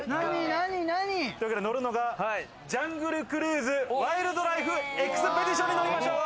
乗るのが、ジャングルクルーズ：ワイルドライフ・エクスペディションに乗りましょう。